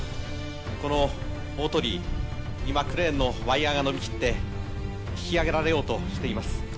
この大鳥居、今、クレーンのワイヤが伸びきって、引き上げられようとしています。